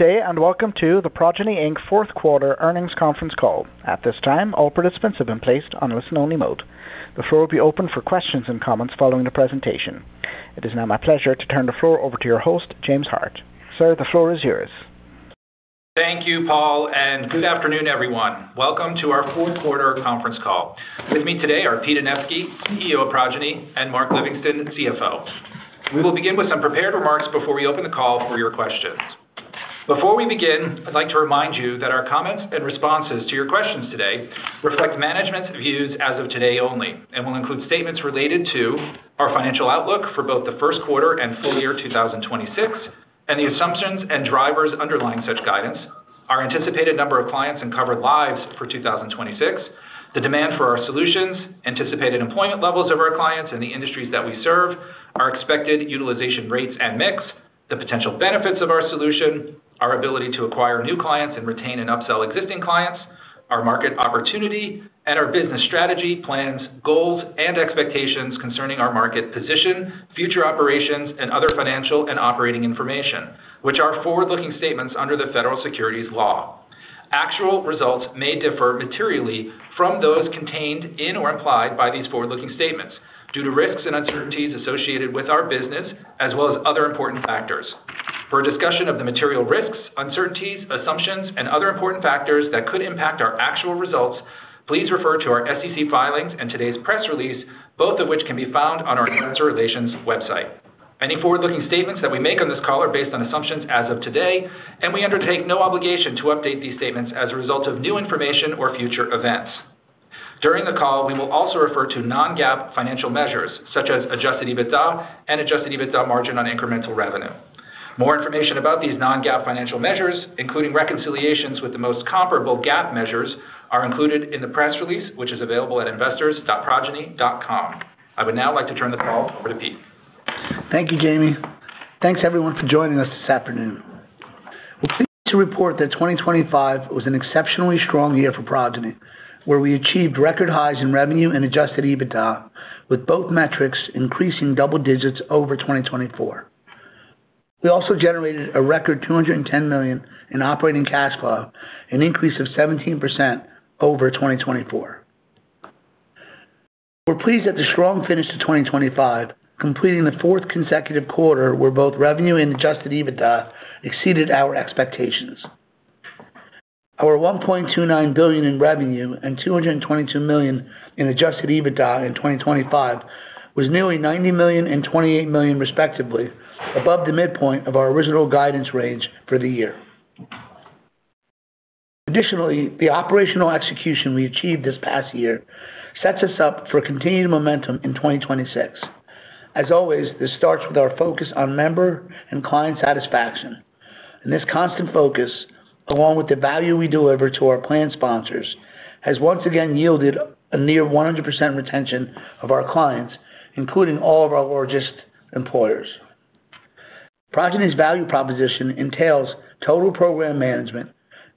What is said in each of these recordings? Welcome to the Progyny, Inc Fourth Quarter Earnings Conference Call. At this time, all participants have been placed on listen-only mode. The floor will be open for questions and comments following the presentation. It is now my pleasure to turn the floor over to your host, James Hart. Sir, the floor is yours. Thank you, Paul. Good afternoon, everyone. Welcome to our fourth quarter conference call. With me today are Pete Anevski, CEO of Progyny, and Mark Livingston, CFO. We will begin with some prepared remarks before we open the call for your questions. Before we begin, I'd like to remind you that our comments and responses to your questions today reflect management's views as of today only and will include statements related to our financial outlook for both the first quarter and full year 2026, and the assumptions and drivers underlying such guidance, our anticipated number of clients and covered lives for 2026, the demand for our solutions, anticipated employment levels of our clients in the industries that we serve, our expected utilization rates and mix, the potential benefits of our solution, our ability to acquire new clients and retain and upsell existing clients, our market opportunity, and our business strategy, plans, goals, and expectations concerning our market position, future operations, and other financial and operating information, which are forward-looking statements under the federal securities laws. Actual results may differ materially from those contained in or implied by these forward-looking statements due to risks and uncertainties associated with our business, as well as other important factors. For a discussion of the material risks, uncertainties, assumptions, and other important factors that could impact our actual results, please refer to our SEC filings and today's press release, both of which can be found on our investor relations website. Any forward-looking statements that we make on this call are based on assumptions as of today, and we undertake no obligation to update these statements as a result of new information or future events. During the call, we will also refer to non-GAAP financial measures such as adjusted EBITDA and adjusted EBITDA margin on incremental revenue. More information about these non-GAAP financial measures, including reconciliations with the most comparable GAAP measures, are included in the press release, which is available at investors.progyny.com. I would now like to turn the call over to Pete. Thank you, Jamie. Thanks everyone for joining us this afternoon. We're pleased to report that 2025 was an exceptionally strong year for Progyny, where we achieved record highs in revenue and adjusted EBITDA, with both metrics increasing double digits over 2024. We also generated a record $210 million in operating cash flow, an increase of 17% over 2024. We're pleased at the strong finish to 2025, completing the fourth consecutive quarter where both revenue and adjusted EBITDA exceeded our expectations. Our $1.29 billion in revenue and $222 million in adjusted EBITDA in 2025 was nearly $90 million and $28 million respectively above the midpoint of our original guidance range for the year. Additionally, the operational execution we achieved this past year sets us up for continued momentum in 2026. As always, this starts with our focus on member and client satisfaction. This constant focus, along with the value we deliver to our plan sponsors, has once again yielded a near 100% retention of our clients, including all of our largest employers. Progyny's value proposition entails total program management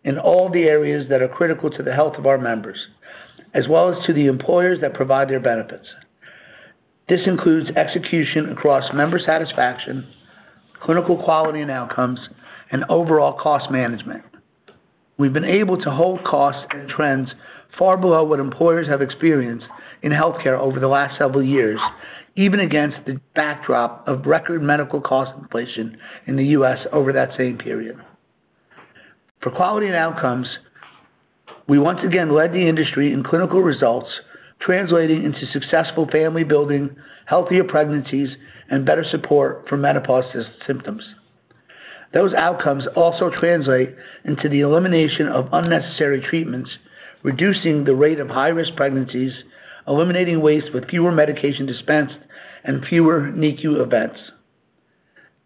in all the areas that are critical to the health of our members, as well as to the employers that provide their benefits. This includes execution across member satisfaction, clinical quality and outcomes, and overall cost management. We've been able to hold costs and trends far below what employers have experienced in healthcare over the last several years, even against the backdrop of record medical cost inflation in the U.S. over that same period. For quality and outcomes, we once again led the industry in clinical results, translating into successful family building, healthier pregnancies, and better support for menopausal symptoms. Those outcomes also translate into the elimination of unnecessary treatments, reducing the rate of high-risk pregnancies, eliminating waste with fewer medication dispensed, and fewer NICU events.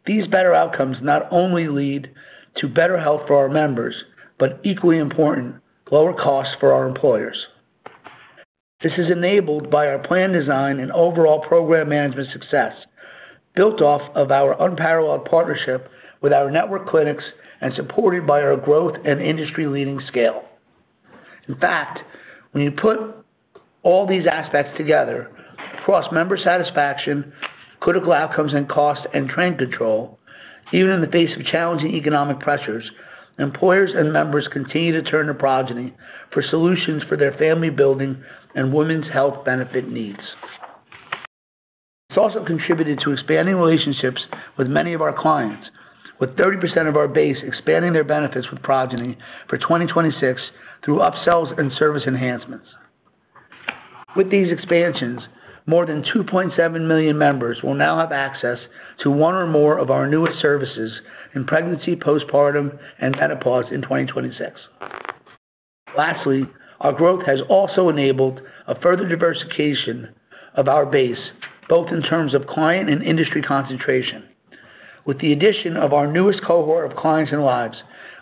These better outcomes not only lead to better health for our members, but equally important, lower costs for our employers. This is enabled by our plan design and overall program management success, built off of our unparalleled partnership with our network clinics and supported by our growth and industry-leading scale. In fact, when you put all these aspects together across member satisfaction, critical outcomes, and cost and trend control, even in the face of challenging economic pressures, employers and members continue to turn to Progyny for solutions for their family building and women's health benefit needs. It's also contributed to expanding relationships with many of our clients, with 30% of our base expanding their benefits with Progyny for 2026 through upsells and service enhancements. With these expansions, more than 2.7 million members will now have access to one or more of our newest services in pregnancy, postpartum, and menopause in 2026. Lastly, our growth has also enabled a further diversification of our base, both in terms of client and industry concentration. With the addition of our newest cohort of clients and lives,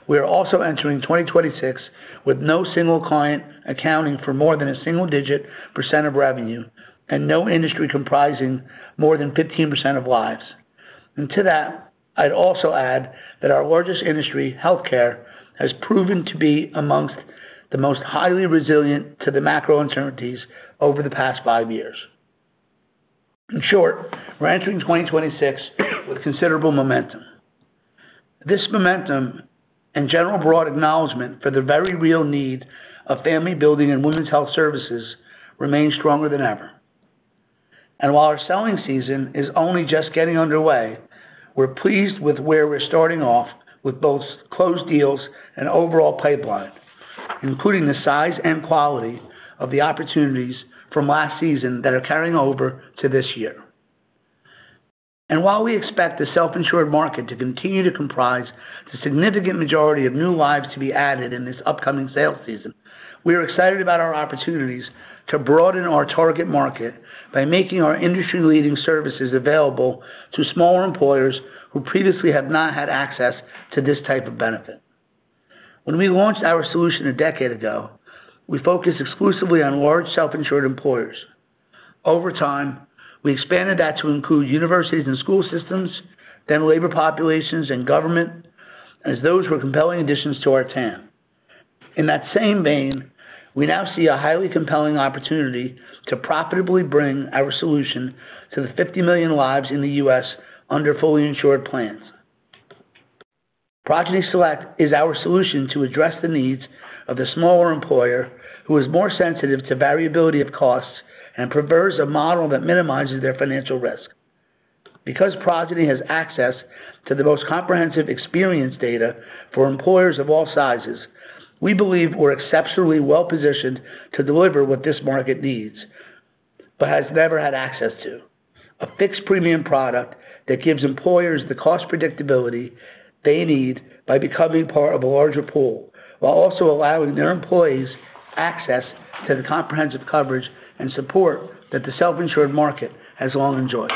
we are also entering 2026 with no single client accounting for more than a single-digit percent of revenue and no industry comprising more than 15% of lives. To that, I'd also add that our largest industry, healthcare, has proven to be amongst the most highly resilient to the macro uncertainties over the past five years. In short, we're entering 2026 with considerable momentum. This momentum and general broad acknowledgment for the very real need of family building and women's health services remains stronger than ever. While our selling season is only just getting underway, we're pleased with where we're starting off with both closed deals and overall pipeline, including the size and quality of the opportunities from last season that are carrying over to this year. While we expect the self-insured market to continue to comprise the significant majority of new lives to be added in this upcoming sales season, we are excited about our opportunities to broaden our target market by making our industry-leading services available to smaller employers who previously have not had access to this type of benefit. When we launched our solution a decade ago, we focused exclusively on large self-insured employers. Over time, we expanded that to include universities and school systems, then labor populations and government, as those were compelling additions to our TAM. In that same vein, we now see a highly compelling opportunity to profitably bring our solution to the 50 million lives in the U.S. under fully insured plans. Progyny Select is our solution to address the needs of the smaller employer who is more sensitive to variability of costs and prefers a model that minimizes their financial risk. Because Progyny has access to the most comprehensive experience data for employers of all sizes, we believe we're exceptionally well-positioned to deliver what this market needs, but has never had access to. A fixed premium product that gives employers the cost predictability they need by becoming part of a larger pool, while also allowing their employees access to the comprehensive coverage and support that the self-insured market has long enjoyed.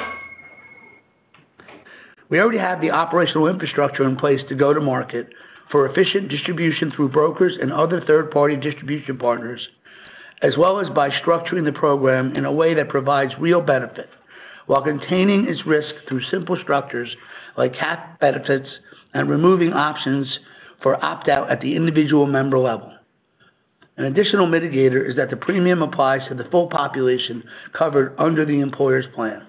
We already have the operational infrastructure in place to go to market for efficient distribution through brokers and other third-party distribution partners, as well as by structuring the program in a way that provides real benefit while containing its risk through simple structures like capped benefits and removing options for opt-out at the individual member level. An additional mitigator is that the premium applies to the full population covered under the employer's plan.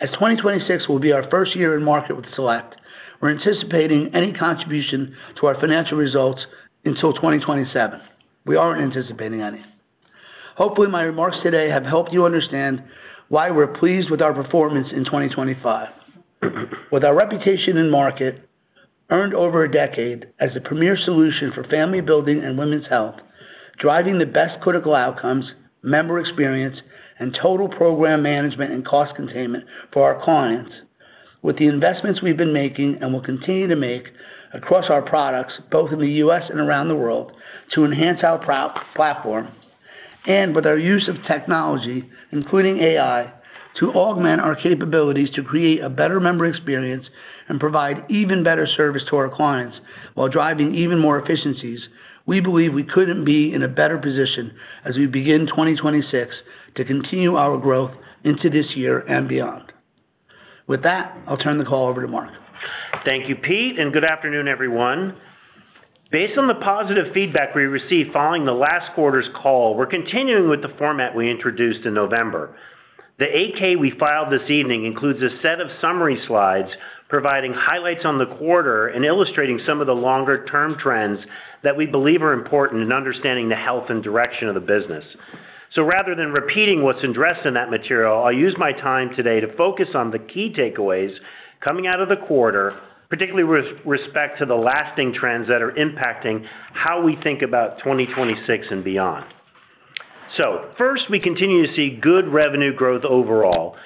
As 2026 will be our first year in market with Select, we're anticipating any contribution to our financial results until 2027. We aren't anticipating any. Hopefully, my remarks today have helped you understand why we're pleased with our performance in 2025. With our reputation in market earned over a decade as the premier solution for family building and women's health, driving the best critical outcomes, member experience, and total program management and cost containment for our clients. With the investments we've been making and will continue to make across our products, both in the U.S. and around the world, to enhance our platform, and with our use of technology, including AI, to augment our capabilities to create a better member experience and provide even better service to our clients while driving even more efficiencies, we believe we couldn't be in a better position as we begin 2026 to continue our growth into this year and beyond. With that, I'll turn the call over to Mark. Thank you, Pete, and good afternoon, everyone. Based on the positive feedback we received following the last quarter's call, we're continuing with the format we introduced in November. The 8-K we filed this evening includes a set of summary slides providing highlights on the quarter and illustrating some of the longer-term trends that we believe are important in understanding the health and direction of the business. Rather than repeating what's addressed in that material, I'll use my time today to focus on the key takeaways coming out of the quarter, particularly with respect to the lasting trends that are impacting how we think about 2026 and beyond. First, we continue to see good revenue growth overall,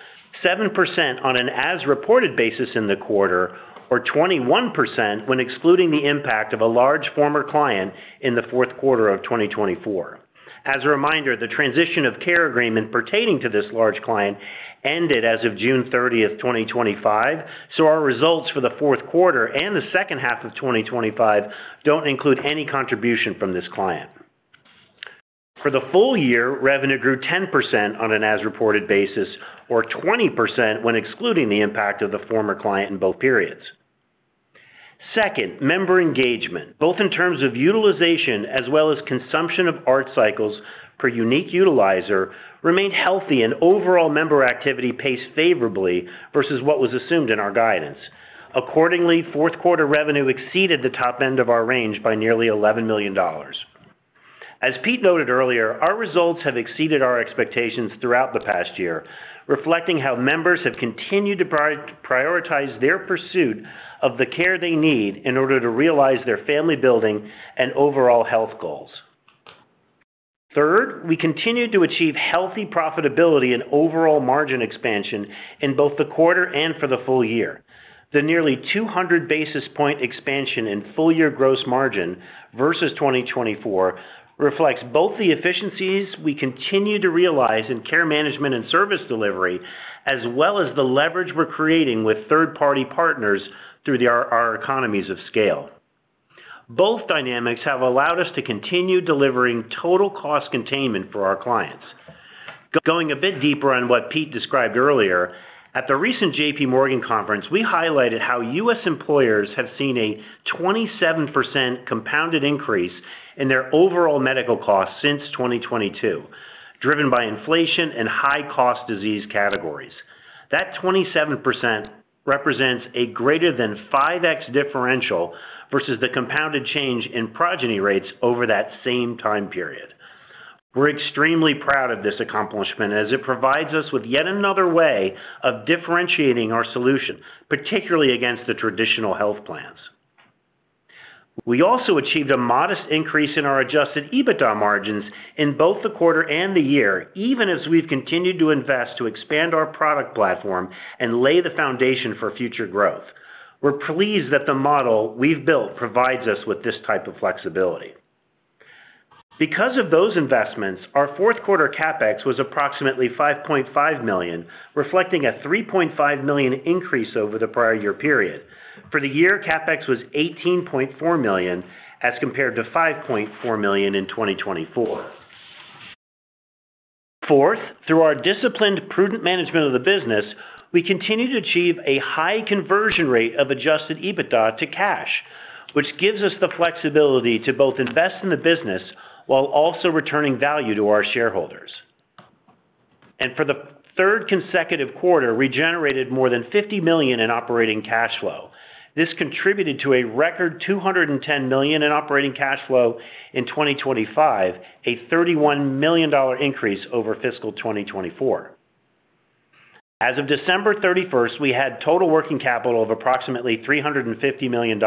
7% on an as-reported basis in the quarter, or 21% when excluding the impact of a large former client in the fourth quarter of 2024. As a reminder, the transition of care agreement pertaining to this large client ended as of June 30, 2025. Our results for the fourth quarter and the second half of 2025 don't include any contribution from this client. For the full year, revenue grew 10% on an as-reported basis, or 20% when excluding the impact of the former client in both periods. Second, member engagement, both in terms of utilization as well as consumption of ART Cycles per unique utilizer remained healthy. Overall member activity paced favorably versus what was assumed in our guidance. Accordingly, fourth quarter revenue exceeded the top end of our range by nearly $11 million. As Pete noted earlier, our results have exceeded our expectations throughout the past year, reflecting how members have continued to prioritize their pursuit of the care they need in order to realize their family-building and overall health goals. We continue to achieve healthy profitability and overall margin expansion in both the quarter and for the full year. The nearly 200 basis point expansion in full-year gross margin versus 2024 reflects both the efficiencies we continue to realize in care management and service delivery, as well as the leverage we're creating with third-party partners through our economies of scale. Both dynamics have allowed us to continue delivering total cost containment for our clients. Going a bit deeper on what Pete described earlier, at the recent J.P. Morgan conference, we highlighted how U.S. employers have seen a 27% compounded increase in their overall medical costs since 2022, driven by inflation and high-cost disease categories. That 27% represents a greater than 5x differential versus the compounded change in Progyny rates over that same time period. We're extremely proud of this accomplishment as it provides us with yet another way of differentiating our solution, particularly against the traditional health plans. We also achieved a modest increase in our adjusted EBITDA margins in both the quarter and the year, even as we've continued to invest to expand our product platform and lay the foundation for future growth. We're pleased that the model we've built provides us with this type of flexibility. Because of those investments, our fourth quarter CapEx was approximately $5.5 million, reflecting a $3.5 million increase over the prior year period. For the year, CapEx was $18.4 million as compared to $5.4 million in 2024. Fourth, through our disciplined, prudent management of the business, we continue to achieve a high conversion rate of adjusted EBITDA to cash, which gives us the flexibility to both invest in the business while also returning value to our shareholders. For the third consecutive quarter, we generated more than $50 million in operating cash flow. This contributed to a record $210 million in operating cash flow in 2025, a $31 million increase over fiscal 2024. As of December 31, we had total working capital of approximately $350 million,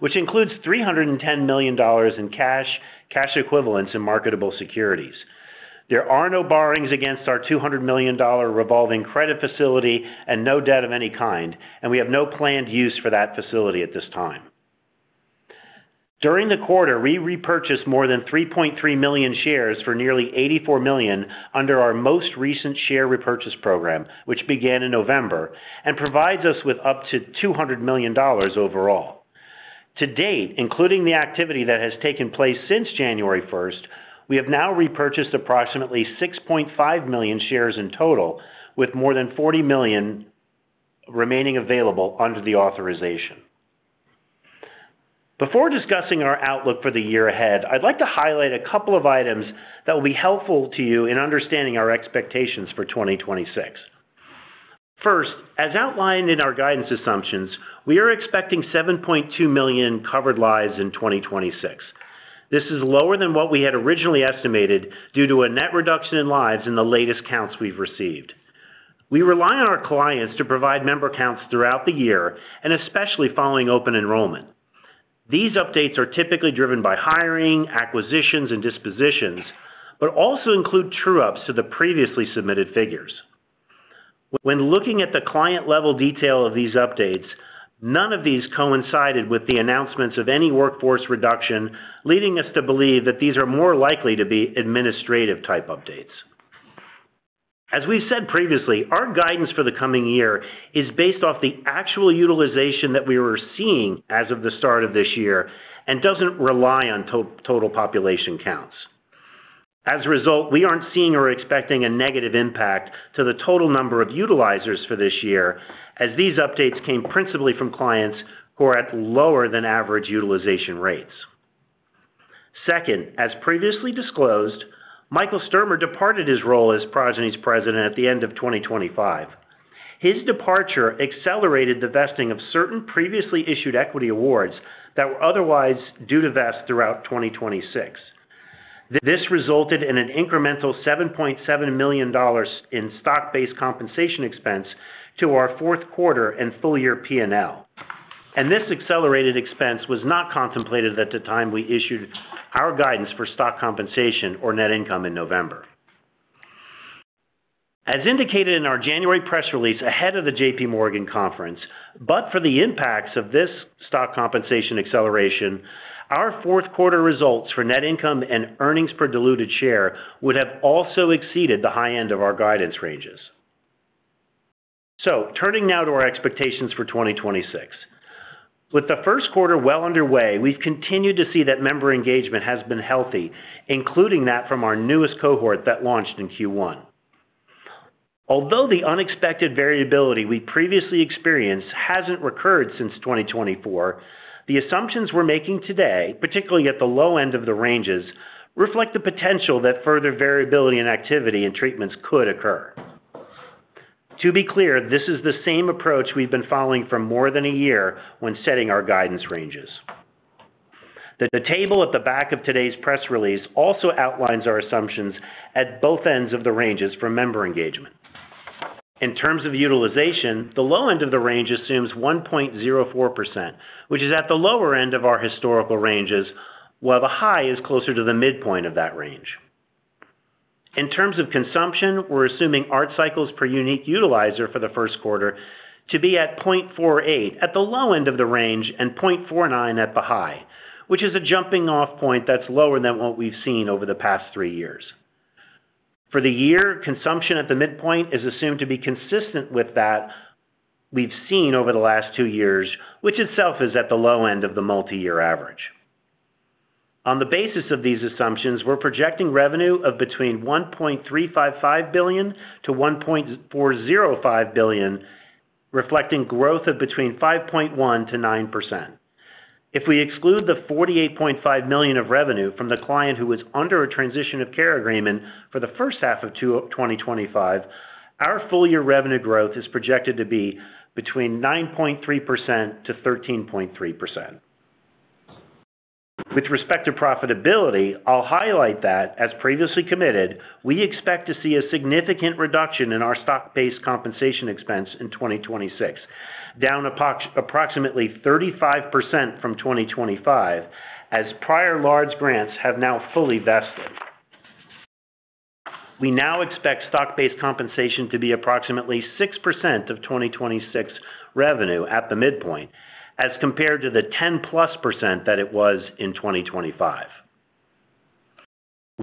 which includes $310 million in cash equivalents, and marketable securities. There are no borrowings against our $200 million revolving credit facility and no debt of any kind. We have no planned use for that facility at this time. During the quarter, we repurchased more than 3.3 million shares for nearly $84 million under our most recent share repurchase program, which began in November and provides us with up to $200 million overall. To date, including the activity that has taken place since January 1, we have now repurchased approximately 6.5 million shares in total, with more than $40 million remaining available under the authorization. Before discussing our outlook for the year ahead, I'd like to highlight a couple of items that will be helpful to you in understanding our expectations for 2026. First, as outlined in our guidance assumptions, we are expecting 7.2 million covered lives in 2026. This is lower than what we had originally estimated due to a net reduction in lives in the latest counts we've received. We rely on our clients to provide member counts throughout the year and especially following open enrollment. These updates are typically driven by hiring, acquisitions, and dispositions, but also include true ups to the previously submitted figures. When looking at the client-level detail of these updates, none of these coincided with the announcements of any workforce reduction, leading us to believe that these are more likely to be administrative type updates. As we've said previously, our guidance for the coming year is based off the actual utilization that we were seeing as of the start of this year and doesn't rely on total population counts. As a result, we aren't seeing or expecting a negative impact to the total number of utilizers for this year as these updates came principally from clients who are at lower than average utilization rates. Second, as previously disclosed, Michael Sturmer departed his role as Progyny's President at the end of 2025. His departure accelerated the vesting of certain previously issued equity awards that were otherwise due to vest throughout 2026. This resulted in an incremental $7.7 million in stock-based compensation expense to our fourth quarter and full year P&L. This accelerated expense was not contemplated at the time we issued our guidance for stock compensation or net income in November. As indicated in our January press release ahead of the J.P. Morgan conference, for the impacts of this stock compensation acceleration, our fourth quarter results for net income and earnings per diluted share would have also exceeded the high end of our guidance ranges. Turning now to our expectations for 2026. With the first quarter well underway, we've continued to see that member engagement has been healthy, including that from our newest cohort that launched in Q1. Although the unexpected variability we previously experienced hasn't recurred since 2024, the assumptions we're making today, particularly at the low end of the ranges, reflect the potential that further variability in activity and treatments could occur. To be clear, this is the same approach we've been following for more than a year when setting our guidance ranges. The table at the back of today's press release also outlines our assumptions at both ends of the ranges for member engagement. In terms of utilization, the low end of the range assumes 1.04%, which is at the lower end of our historical ranges, while the high is closer to the midpoint of that range. In terms of consumption, we're assuming ART Cycles per unique utilizer for the first quarter to be at 0.48% at the low end of the range and 0.49% at the high, which is a jumping-off point that's lower than what we've seen over the past three years. For the year, consumption at the midpoint is assumed to be consistent with that we've seen over the last two years, which itself is at the low end of the multiyear average. On the basis of these assumptions, we're projecting revenue of between $1.355 billion-$1.405 billion, reflecting growth of between 5.1%-9%. If we exclude the $48.5 million of revenue from the client who was under a transition of care agreement for the first half of 2025, our full year revenue growth is projected to be between 9.3%-13.3%. With respect to profitability, I'll highlight that, as previously committed, we expect to see a significant reduction in our stock-based compensation expense in 2026, down approximately 35% from 2025, as prior large grants have now fully vested. We now expect stock-based compensation to be approximately 6% of 2026 revenue at the midpoint, as compared to the +10% that it was in 2025.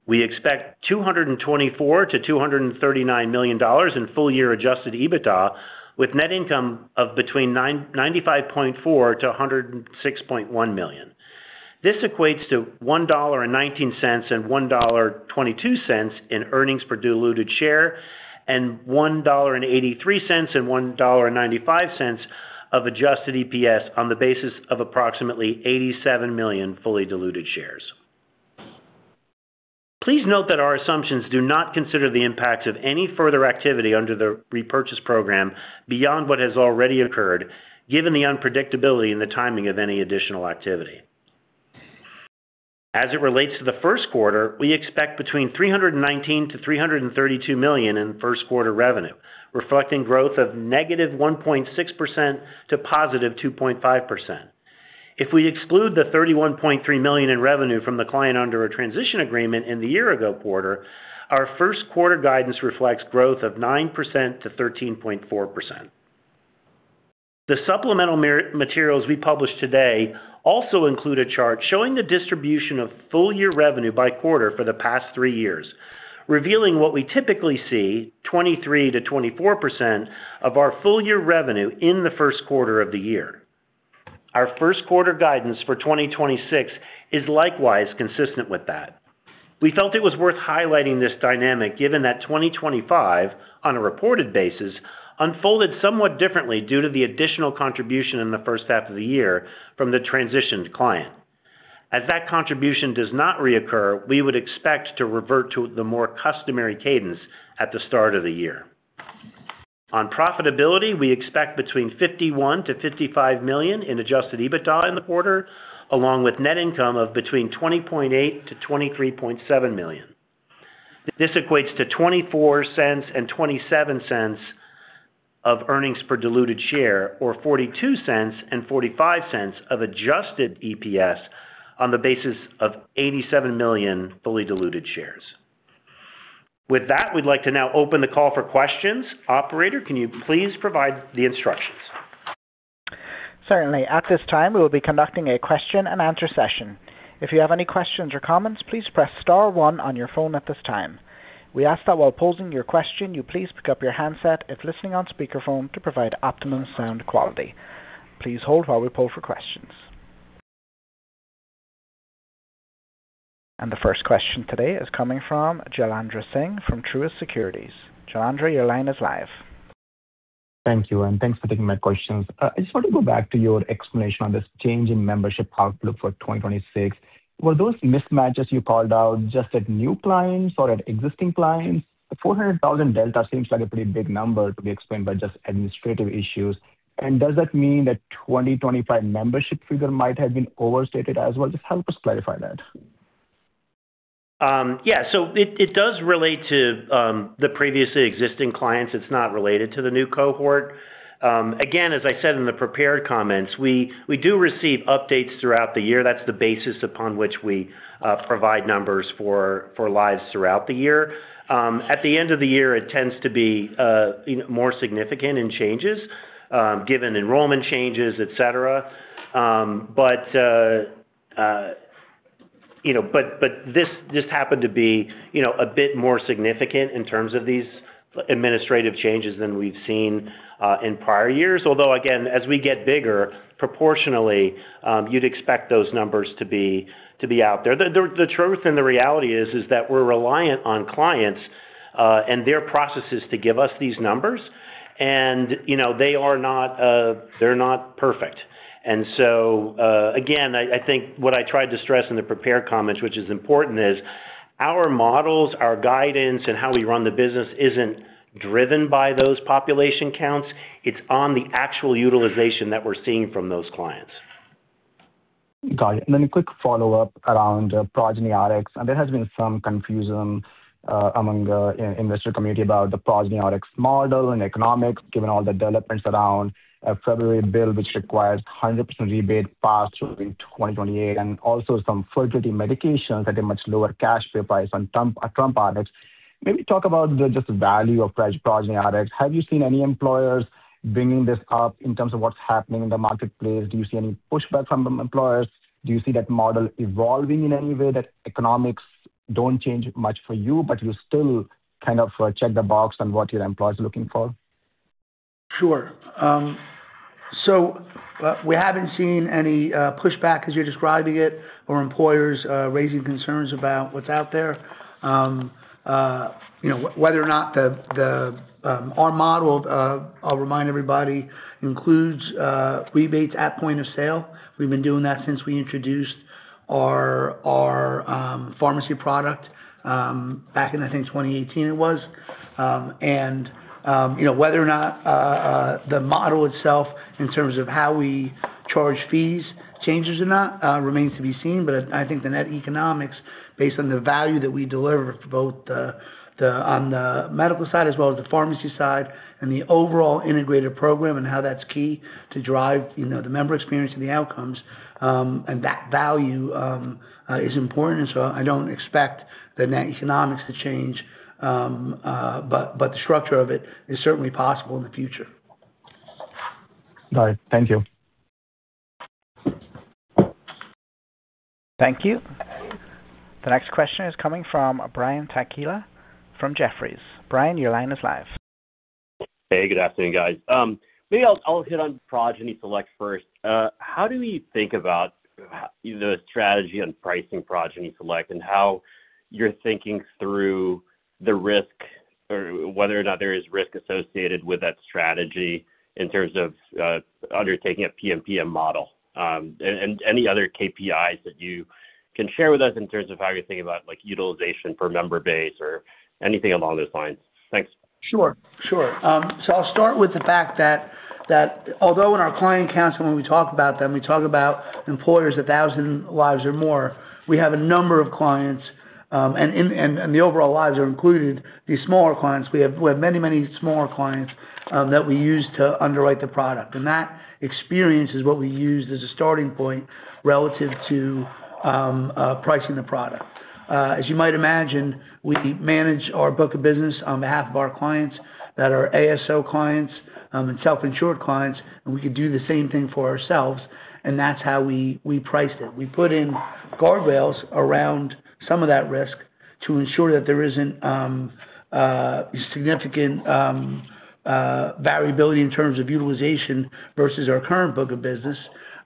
We expect $224 million-$239 million in full year adjusted EBITDA, with net income of between $95.4 million to $106.1 million. This equates to $1.19 and $1.22 in earnings per diluted share, and $1.83 and $1.95 of adjusted EPS on the basis of approximately 87 million fully diluted shares. Please note that our assumptions do not consider the impact of any further activity under the repurchase program beyond what has already occurred, given the unpredictability and the timing of any additional activity. As it relates to the first quarter, we expect between $319 million and $332 million in first quarter revenue, reflecting growth of -1.6% to +2.5%. If we exclude the $31.3 million in revenue from the client under a transition agreement in the year ago quarter, our first quarter guidance reflects growth of 9%-13.4%. The supplemental materials we published today also include a chart showing the distribution of full-year revenue by quarter for the past three years, revealing what we typically see, 23%-24% of our full-year revenue in the first quarter of the year. Our first quarter guidance for 2026 is likewise consistent with that. We felt it was worth highlighting this dynamic, given that 2025, on a reported basis, unfolded somewhat differently due to the additional contribution in the first half of the year from the transitioned client. As that contribution does not reoccur, we would expect to revert to the more customary cadence at the start of the year. On profitability, we expect between $51 million-$55 million in adjusted EBITDA in the quarter, along with net income of between $20.8 million-$23.7 million. This equates to $0.24 and $0.27 of earnings per diluted share, or $0.42 and $0.45 of adjusted EPS on the basis of 87 million fully diluted shares. With that, we'd like to now open the call for questions. Operator, can you please provide the instructions? Certainly. At this time, we will be conducting a question and answer session. If you have any questions or comments, please press star one on your phone at this time. We ask that while posing your question, you please pick up your handset if listening on speakerphone to provide optimum sound quality. Please hold while we poll for questions. The first question today is coming from Jailendra Singh from Truist Securities. Jailendra, your line is live. Thank you, and thanks for taking my questions. I just want to go back to your explanation on this change in membership outlook for 2026. Were those mismatches you called out just at new clients or at existing clients? The 400,000 delta seems like a pretty big number to be explained by just administrative issues. Does that mean that 2025 membership figure might have been overstated as well? Just help us clarify that. It does relate to the previously existing clients. It's not related to the new cohort. Again, as I said in the prepared comments, we do receive updates throughout the year. That's the basis upon which we provide numbers for lives throughout the year. At the end of the year, it tends to be more significant in changes, given enrollment changes, et cetera. You know, this happened to be, you know, a bit more significant in terms of these administrative changes than we've seen in prior years. Again, as we get bigger, proportionally, you'd expect those numbers to be out there. The truth and the reality is that we're reliant on clients and their processes to give us these numbers. You know, they're not perfect. Again, I think what I tried to stress in the prepared comments, which is important, is our models, our guidance, and how we run the business isn't driven by those population counts. It's on the actual utilization that we're seeing from those clients. Got it. A quick follow-up around Progyny Rx. There has been some confusion among the investor community about the Progyny Rx model and economics, given all the developments around a February bill which requires 100% rebate passed through in 2028, and also some fertility medications at a much lower cash pay price on [TrumpRx]. Maybe talk about the just the value of Progyny Rx. Have you seen any employers bringing this up in terms of what's happening in the marketplace? Do you see any pushback from the employers? Do you see that model evolving in any way that economics don't change much for you, but you still kind of check the box on what your employer is looking for? Sure. We haven't seen any pushback as you're describing it or employers raising concerns about what's out there. You know, whether or not our model, I'll remind everybody includes rebates at point of sale. We've been doing that since we introduced our pharmacy product back in 2018 it was. You know, whether or not the model itself in terms of how we charge fees changes or not remains to be seen. I think the net economics based on the value that we deliver for both on the medical side as well as the pharmacy side and the overall integrated program and how that's key to drive, you know, the member experience and the outcomes, and that value is important. I don't expect the net economics to change, but the structure of it is certainly possible in the future. Got it. Thank you. Thank you. The next question is coming from Brian Tanquilut from Jefferies. Brian, your line is live. Hey, good afternoon, guys. Maybe I'll hit on Progyny Select first. How do we think about the strategy and pricing Progyny Select and how you're thinking through the risk or whether or not there is risk associated with that strategy in terms of undertaking a PMPM model? Any other KPIs that you can share with us in terms of how you're thinking about like utilization per member base or anything along those lines? Thanks. Sure. I'll start with the fact that although in our client council, when we talk about them, we talk about employers 1,000 lives or more, we have a number of clients, and the overall lives are included, the smaller clients. We have many smaller clients that we use to underwrite the product, and that experience is what we used as a starting point relative to pricing the product. As you might imagine, we manage our book of business on behalf of our clients that are ASO clients, and self-insured clients, and we can do the same thing for ourselves, and that's how we priced it. We put in guardrails around some of that risk to ensure that there isn't significant variability in terms of utilization versus our current book of business,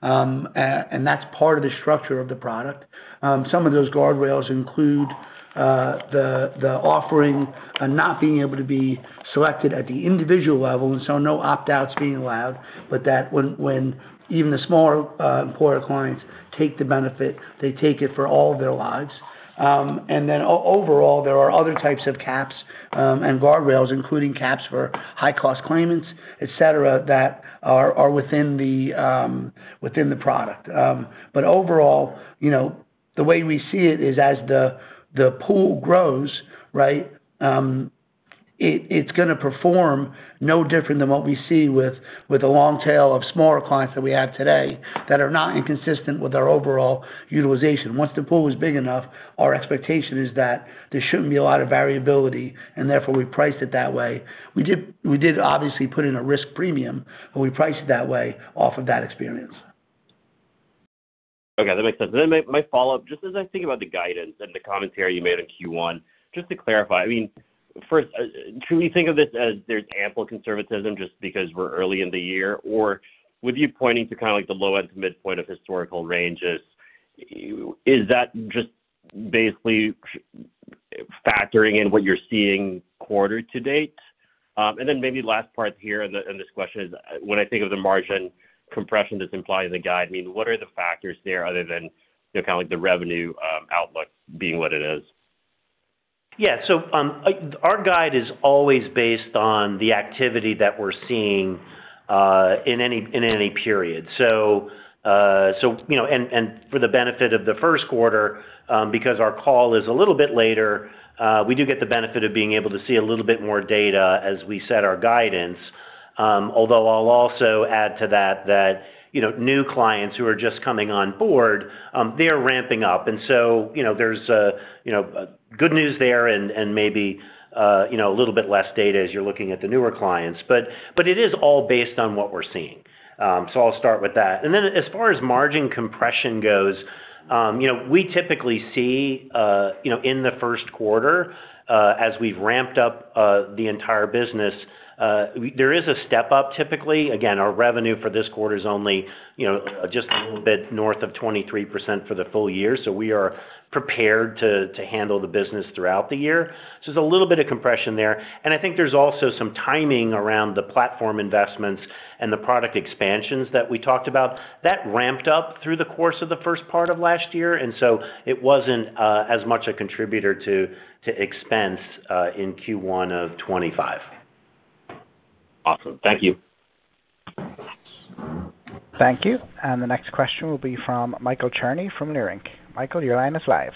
and that's part of the structure of the product. Some of those guardrails include the offering and not being able to be selected at the individual level, and so no opt-outs being allowed, but that when even the smaller employer clients take the benefit, they take it for all their lives. Overall, there are other types of caps and guardrails, including caps for high cost claimants, et cetera, that are within the product. Overall, you know, the way we see it is as the pool grows, right, it's gonna perform no different than what we see with the long tail of smaller clients that we have today that are not inconsistent with our overall utilization. Once the pool is big enough, our expectation is that there shouldn't be a lot of variability, and therefore we priced it that way. We did obviously put in a risk premium, and we priced it that way off of that experience. Okay, that makes sense. My follow-up, just as I think about the guidance and the commentary you made in Q1, just to clarify, I mean, first, should we think of this as there's ample conservatism just because we're early in the year? With you pointing to kind of like the low-end to midpoint of historical ranges, is that just basically factoring in what you're seeing quarter to date? Maybe last part here in this question is, when I think of the margin compression that's implied in the guide, I mean, what are the factors there other than, you know, kind of like the revenue, outlook being what it is? Our guide is always based on the activity that we're seeing, in any period. You know, and for the benefit of the first quarter, because our call is a little bit later, we do get the benefit of being able to see a little bit more data as we set our guidance. Although I'll also add to that, you know, new clients who are just coming on board, they are ramping up. You know, there's, you know, good news there and maybe, you know, a little bit less data as you're looking at the newer clients. It is all based on what we're seeing. I'll start with that. As far as margin compression goes, you know, we typically see, you know, in the first quarter, as we've ramped up the entire business, there is a step up typically. Our revenue for this quarter is only, you know, just a little bit north of 23% for the full year, so we are prepared to handle the business throughout the year. There's a little bit of compression there. I think there's also some timing around the platform investments and the product expansions that we talked about. That ramped up through the course of the first part of last year, it wasn't as much a contributor to expense in Q1 of 2025. Awesome. Thank you. Thank you. The next question will be from Michael Cherny from Leerink. Michael, your line is live.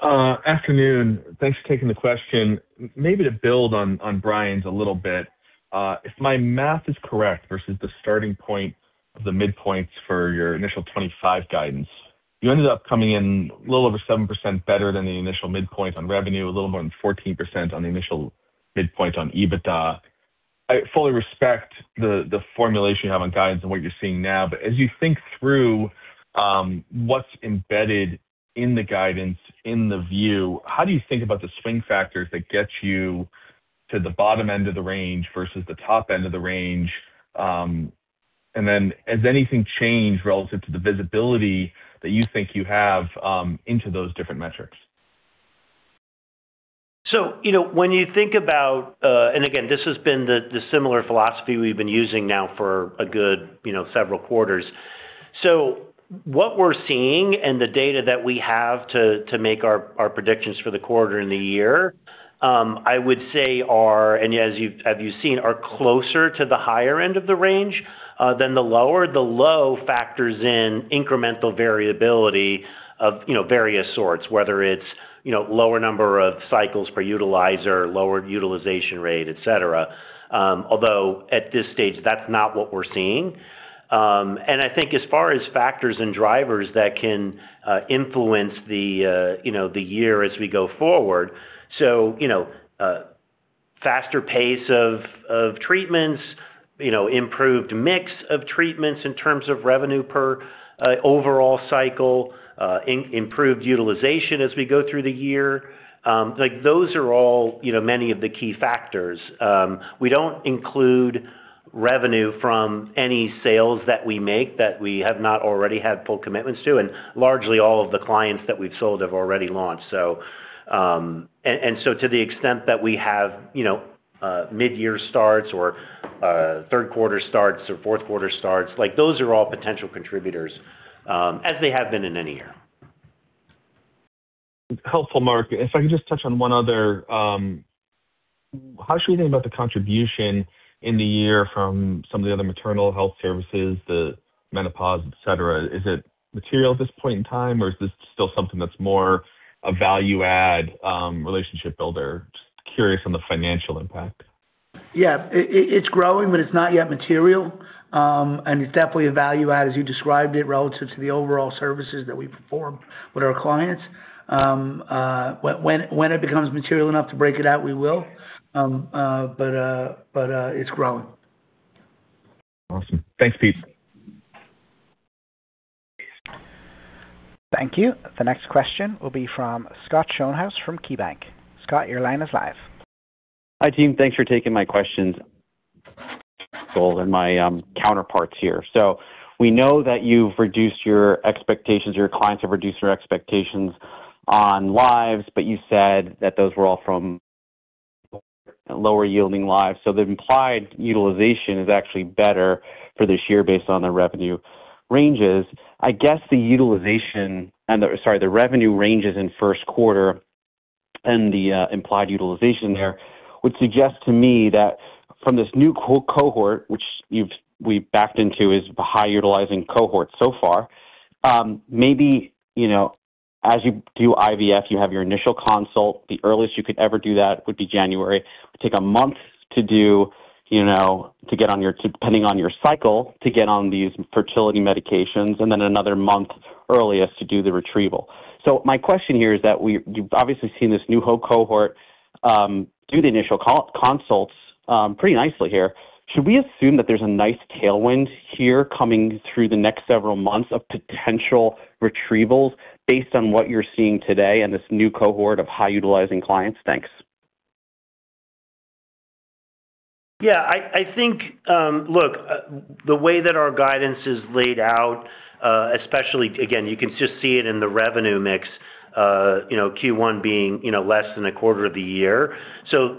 Afternoon. Thanks for taking the question. Maybe to build on Brian's a little bit, if my math is correct versus the starting point of the midpoints for your initial 2025 guidance, you ended up coming in a little over 7% better than the initial midpoint on revenue, a little more than 14% on the initial midpoint on EBITDA. I fully respect the formulation you have on guidance and what you're seeing now. As you think through what's embedded in the guidance, in the view, how do you think about the swing factors that get you to the bottom end of the range versus the top end of the range? And then has anything changed relative to the visibility that you think you have into those different metrics? You know, when you think about. Again, this has been the similar philosophy we've been using now for a good, you know, several quarters. What we're seeing and the data that we have to make our predictions for the quarter and the year, I would say are, and as you've seen, are closer to the higher end of the range than the lower. The low factors in incremental variability of, you know, various sorts, whether it's, you know, lower number of cycles per utilizer, lower utilization rate, et cetera. Although at this stage, that's not what we're seeing. I think as far as factors and drivers that can influence the, you know, the year as we go forward, so, you know, faster pace of treatments, you know, improved mix of treatments in terms of revenue per overall cycle, improved utilization as we go through the year. Like, those are all, you know, many of the key factors. We don't include revenue from any sales that we make that we have not already had full commitments to, and largely all of the clients that we've sold have already launched, so. To the extent that we have, you know, mid-year starts or third quarter starts or fourth quarter starts, like, those are all potential contributors as they have been in any year. Helpful, Mark. If I could just touch on one other, How should we think about the contribution in the year from some of the other maternal health services, the menopause, et cetera? Is it material at this point in time, or is this still something that's more a value add, relationship builder? Just curious on the financial impact. Yeah. It's growing, but it's not yet material. It's definitely a value add, as you described it, relative to the overall services that we perform with our clients. When it becomes material enough to break it out, we will. It's growing. Awesome. Thanks, Pete. Thank you. The next question will be from Scott Schoenhaus from KeyBanc. Scott, your line is live. Hi, team. Thanks for taking my questions and my counterparts here. We know that you've reduced your expectations, your clients have reduced their expectations on lives, but you said that those were all from lower-yielding lives. The implied utilization is actually better for this year based on the revenue ranges. I guess the utilization and the-- Sorry, the revenue ranges in first quarter and the implied utilization there would suggest to me that from this new cohort, which we've backed into is a high utilizing cohort so far, maybe, you know, as you do IVF, you have your initial consult. The earliest you could ever do that would be January. Take a month to do, you know, to get on your depending on your cycle, to get on these fertility medications, and then another month earliest to do the retrieval. My question here is that you've obviously seen this new whole cohort do the initial consults pretty nicely here. Should we assume that there's a nice tailwind here coming through the next several months of potential retrievals based on what you're seeing today and this new cohort of high utilizing clients? Thanks. Yeah, I think, Look, the way that our guidance is laid out, especially again, you can just see it in the revenue mix, you know, Q1 being, you know, less than a quarter of the year.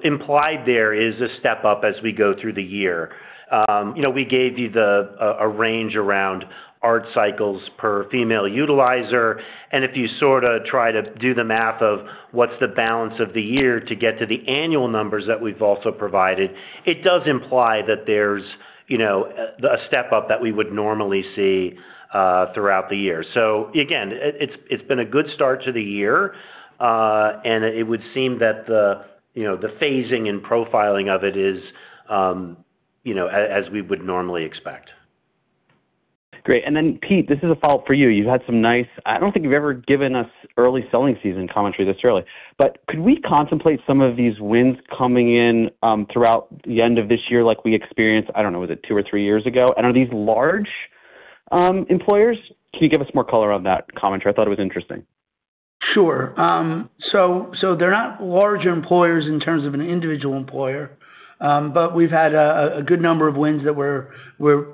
Implied there is a step up as we go through the year. You know, we gave you a range around ART Cycles per female utilizer, and if you sorta try to do the math of what's the balance of the year to get to the annual numbers that we've also provided, it does imply that there's, you know, a step-up that we would normally see throughout the year. Again, it's been a good start to the year, and it would seem that the, you know, the phasing and profiling of it is, you know, as we would normally expect. Great. Pete, this is a follow-up for you. You've had some nice-- I don't think you've ever given us early selling season commentary this early. Could we contemplate some of these wins coming in throughout the end of this year like we experienced, I don't know, was it two or three years ago? Are these large employers? Can you give us more color on that commentary? I thought it was interesting. Sure. They're not large employers in terms of an individual employer, but we've had a good number of wins that we're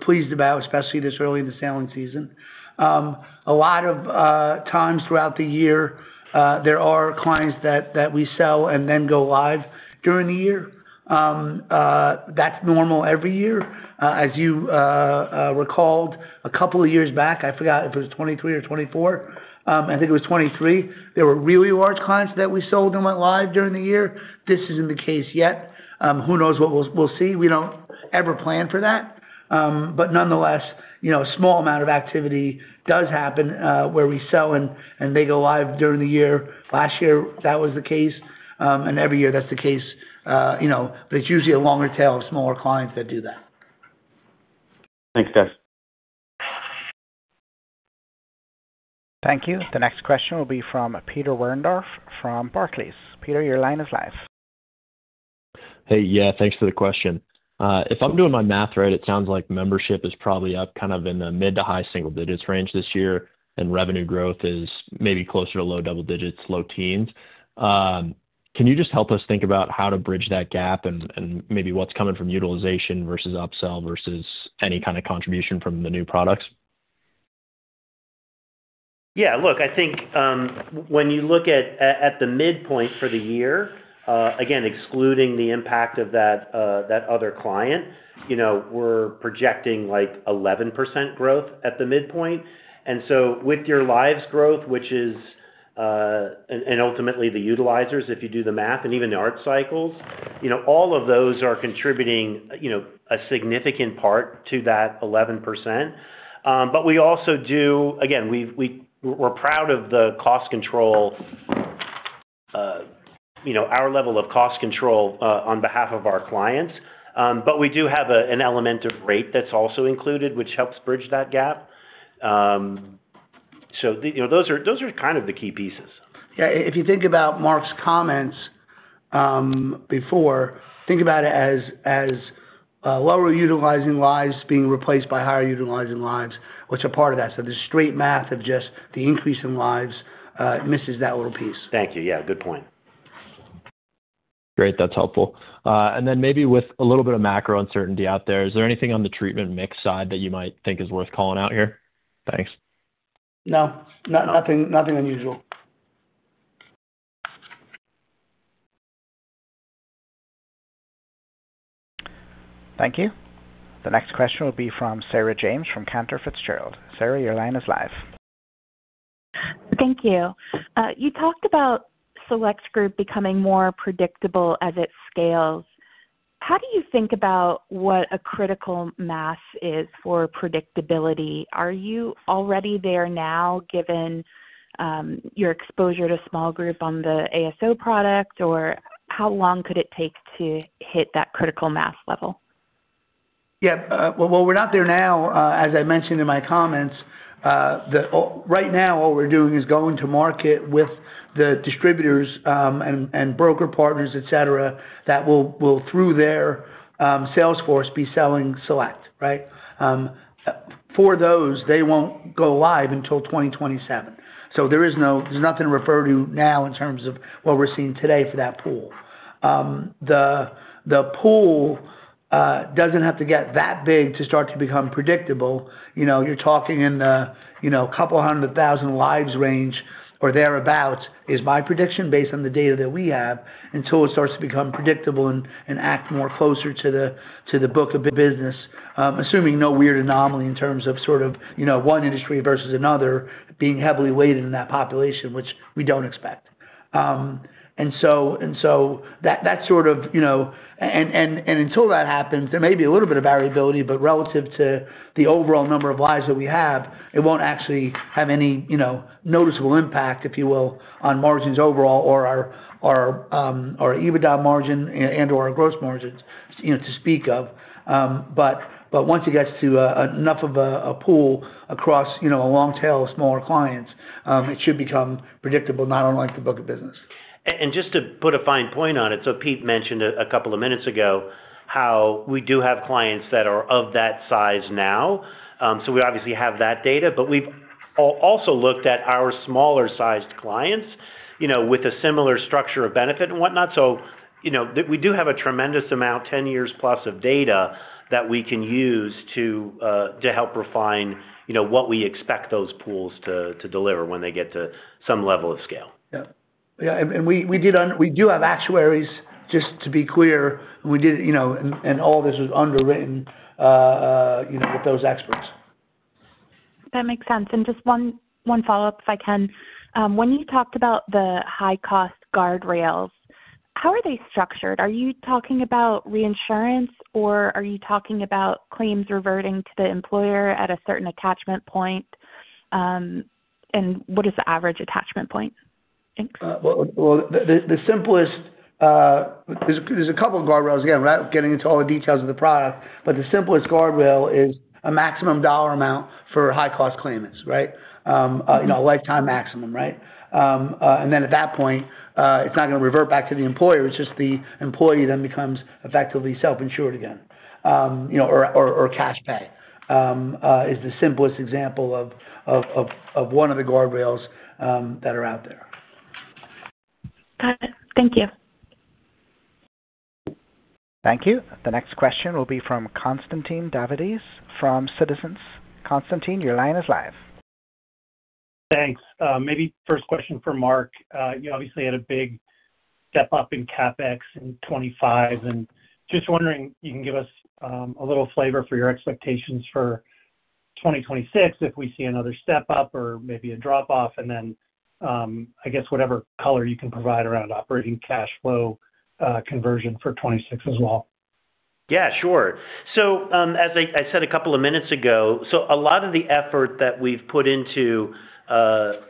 pleased about, especially this early in the selling season. A lot of times throughout the year, there are clients that we sell and then go live during the year. That's normal every year. As you recalled a couple of years back, I forgot if it was 2023 or 2024, I think it was 2023, there were really large clients that we sold and went live during the year. This isn't the case yet. Who knows what we'll see. We don't ever plan for that. Nonetheless, you know, a small amount of activity does happen where we sell and they go live during the year. Last year, that was the case. Every year that's the case, you know. It's usually a longer tail of smaller clients that do that. Thanks, guys. Thank you. The next question will be from Peter Warendorf from Barclays. Peter, your line is live. Hey, yeah, thanks for the question. If I'm doing my math right, it sounds like membership is probably up kind of in the mid- to high single digits percent range this year, revenue growth is maybe closer to low double digits, low teens. Can you just help us think about how to bridge that gap and maybe what's coming from utilization versus upsell versus any kind of contribution from the new products? Yeah. Look, I think, when you look at the midpoint for the year, again, excluding the impact of that other client, you know, we're projecting like 11% growth at the midpoint. With your lives growth, which is, and ultimately the utilizers, if you do the math, and even the ART cycles, you know, all of those are contributing, you know, a significant part to that 11%. We also do-- Again, we're proud of the cost control, you know, our level of cost control, on behalf of our clients. We do have a, an element of rate that's also included, which helps bridge that gap. You know, those are kind of the key pieces. Yeah. If you think about Mark's comments, before, think about it as, lower utilizing lives being replaced by higher utilizing lives, what's a part of that? The straight math of just the increase in lives, misses that little piece. Thank you. Yeah, good point. Great. That's helpful. Then maybe with a little bit of macro uncertainty out there, is there anything on the treatment mix side that you might think is worth calling out here? Thanks. No. nothing unusual. Thank you. The next question will be from Sarah James from Cantor Fitzgerald. Sarah, your line is live. Thank you. You talked about Select group becoming more predictable as it scales. How do you think about what a critical mass is for predictability? Are you already there now, given your exposure to small group on the ASO product, or how long could it take to hit that critical mass level? Yeah. Well, we're not there now, as I mentioned in my comments. Right now, all we're doing is going to market with the distributors, and broker partners, et cetera, that will, through their sales force, be selling Select, right? For those, they won't go live until 2027. There is no, there's nothing to refer to now in terms of what we're seeing today for that pool. The pool doesn't have to get that big to start to become predictable. You know, you're talking in the, you know, couple hundred thousand lives range or thereabout, is my prediction based on the data that we have, until it starts to become predictable and act more closer to the book of business, assuming no weird anomaly in terms of sort of, you know, one industry versus another being heavily weighted in that population, which we don't expect. So that sort of, you know. Until that happens, there may be a little bit of variability, but relative to the overall number of lives that we have, it won't actually have any, you know, noticeable impact, if you will, on margins overall or our EBITDA margin and/or our gross margins, you know, to speak of. Once it gets to, enough of a pool across, you know, a long tail of smaller clients, it should become predictable, not unlike the book of business. Just to put a fine point on it, Pete mentioned a couple of minutes ago how we do have clients that are of that size now. We obviously have that data, but we've also looked at our smaller sized clients, you know, with a similar structure of benefit and whatnot. You know, we do have a tremendous amount, 10 years+ of data that we can use to help refine, you know, what we expect those pools to deliver when they get to some level of scale. Yeah. We do have actuaries, just to be clear. We did, you know, and all this was underwritten, you know, with those experts. That makes sense. Just one follow-up, if I can. When you talked about the high cost guardrails, how are they structured? Are you talking about reinsurance, or are you talking about claims reverting to the employer at a certain attachment point? What is the average attachment point? Thanks. Well, the simplest, there's a couple of guardrails. Again, without getting into all the details of the product, the simplest guardrail is a maximum dollar amount for high cost claimants, right? You know, a lifetime maximum, right? Then at that point, it's not gonna revert back to the employer. It's just the employee then becomes effectively self-insured again, you know, or cash pay, is the simplest example of one of the guardrails that are out there. Got it. Thank you. Thank you. The next question will be from Constantine Davides from Citizens. Constantine, your line is live. Thanks. Maybe first question for Mark. You obviously had a big step-up in CapEx in 2025. Just wondering if you can give us a little flavor for your expectations for 2026 if we see another step-up or maybe a drop-off. Then, I guess whatever color you can provide around operating cash flow, conversion for 2026 as well. Yeah, sure. As I said a couple of minutes ago, a lot of the effort that we've put into, you know,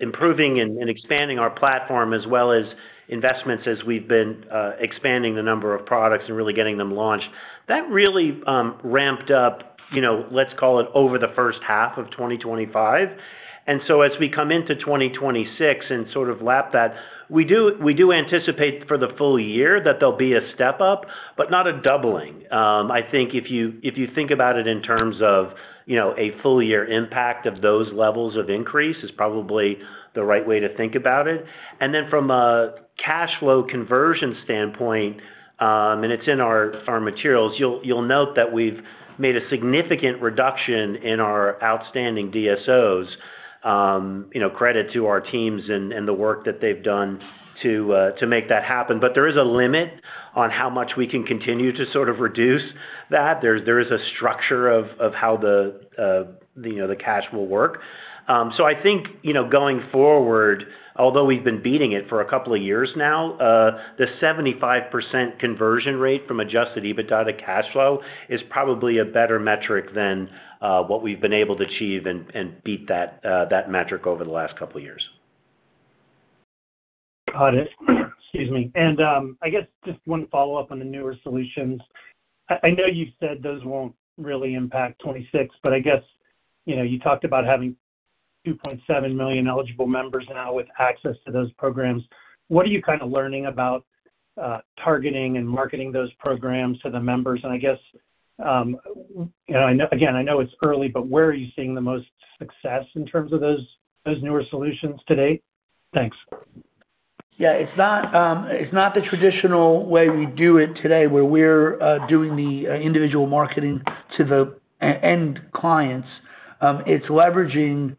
improving and expanding our platform as well as investments as we've been expanding the number of products and really getting them launched, that really ramped up, you know, let's call it over the first half of 2025. As we come into 2026 and sort of lap that, we do anticipate for the full year that there'll be a step up, but not a doubling. I think if you think about it in terms of, you know, a full year impact of those levels of increase is probably the right way to think about it. From a cash flow conversion standpoint, and it's in our materials, you'll note that we've made a significant reduction in our outstanding DSOs, you know, credit to our teams and the work that they've done to make that happen. There is a limit on how much we can continue to sort of reduce that. There is a structure of how the, you know, the cash will work. I think, you know, going forward, although we've been beating it for a couple of years now, the 75% conversion rate from adjusted EBITDA to cash flow is probably a better metric than what we've been able to achieve and beat that metric over the last couple of years. Got it. I guess just one follow-up on the newer solutions. I know you said those won't really impact 2026, but I guess, you know, you talked about having 2.7 million eligible members now with access to those programs. What are you kind of learning about targeting and marketing those programs to the members? I guess, you know, I know-- Again, I know it's early, but where are you seeing the most success in terms of those newer solutions to date? Thanks. Yeah. It's not the traditional way we do it today, where we're doing the individual marketing to the end clients. It's leveraging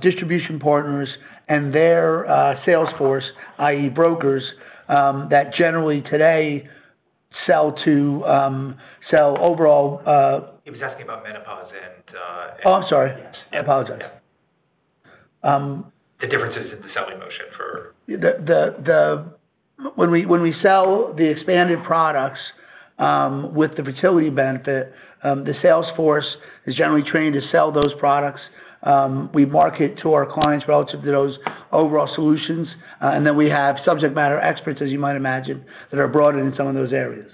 distribution partners and their sales force, i.e. brokers, that generally today sell to sell overall. He was asking about menopause. Oh, I'm sorry. I apologize. Yeah. The differences in the selling motion for-- When we sell the expanded products, with the fertility benefit, the sales force is generally trained to sell those products. We market to our clients relative to those overall solutions. We have subject matter experts, as you might imagine, that are brought in in some of those areas.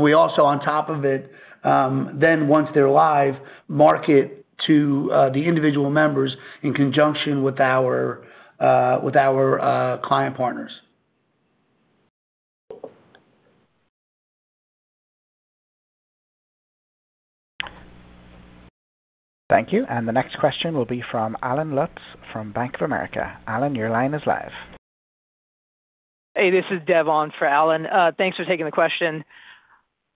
We also, on top of it, then once they're live, market to the individual members in conjunction with our client partners. Thank you. The next question will be from Allen Lutz from Bank of America. Allen, your line is live. Hey, this is Devon for Allen. Thanks for taking the question.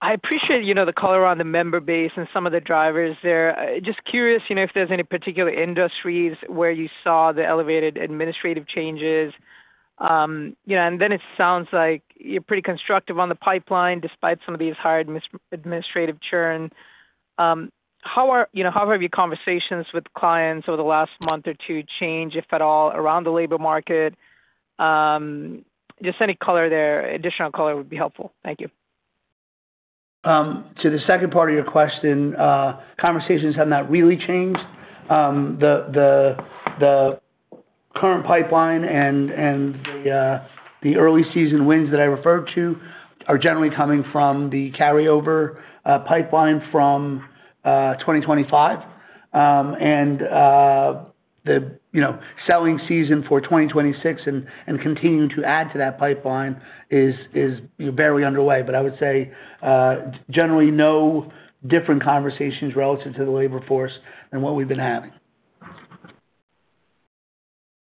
I appreciate, you know, the color on the member base and some of the drivers there. Just curious, you know, if there's any particular industries where you saw the elevated administrative changes. You know, it sounds like you're pretty constructive on the pipeline despite some of these hard administrative churn. How are, you know, how have your conversations with clients over the last month or two changed, if at all, around the labor market? Just any color there, additional color would be helpful. Thank you. To the second part of your question, conversations have not really changed. The current pipeline and the early season wins that I referred to are generally coming from the carryover pipeline from 2025. You know, selling season for 2026 and continuing to add to that pipeline is very underway. I would say, generally no different conversations relative to the labor force than what we've been having.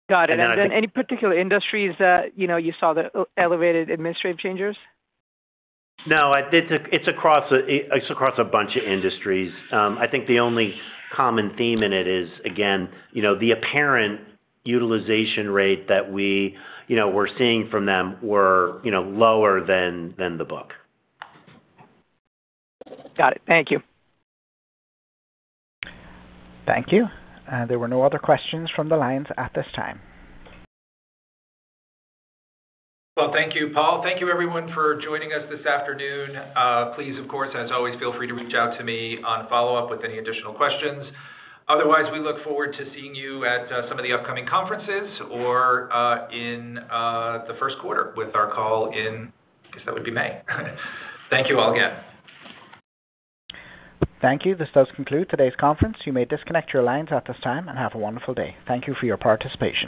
Got it. And then I think-- Any particular industries that, you know, you saw the elevated administrative changes? No, it's across a bunch of industries. I think the only common theme in it is again, you know, the apparent utilization rate that we, you know, we're seeing from them were, you know, lower than the book. Got it. Thank you. Thank you. There were no other questions from the lines at this time. Well, thank you, Paul. Thank you everyone for joining us this afternoon. Please of course, as always, feel free to reach out to me on follow-up with any additional questions. Otherwise, we look forward to seeing you at some of the upcoming conferences or in the first quarter with our call in-- Guess that would be May. Thank you all again. Thank you. This does conclude today's conference. You may disconnect your lines at this time, and have a wonderful day. Thank you for your participation.